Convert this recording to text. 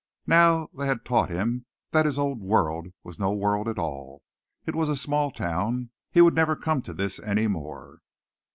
Now they had taught him that his old world was no world at all. It was a small town. He would never come to this any more.